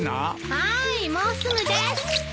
はいもうすぐです。